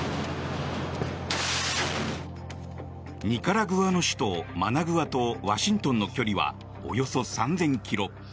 ニカラグアの首都マナグアとワシントンの距離はおよそ３０００ｋｍ。